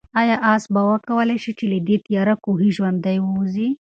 آیا آس به وکولای شي چې له دې تیاره کوهي ژوندی ووځي؟